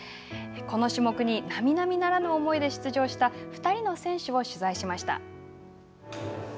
この種目になみなみならぬ思いで出場した２人の選手を取材しました。